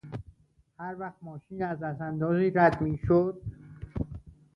هر وقت ماشین از دستاندازی رد میشد...